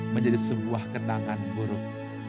menjadi sebuah kenangan buruk